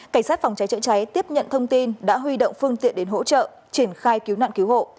cảnh sát phòng cháy chữa cháy tiếp nhận thông tin đã huy động phương tiện đến hỗ trợ triển khai cứu nạn cứu hộ